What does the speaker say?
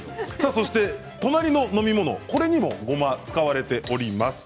隣の飲み物、これにもごまが使われています。